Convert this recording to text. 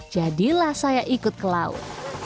jadilah saya ikut ke laut